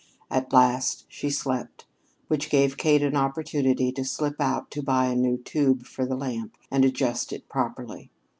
At last she slept, which gave Kate an opportunity to slip out to buy a new tube for the lamp and adjust it properly.